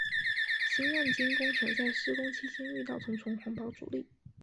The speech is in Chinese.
新万金工程在施工期间遇到重重环保阻力。